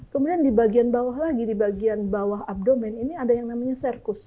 kemudian di bagian bawah lagi di bagian bawah abdomen ini ada yang namanya sirkus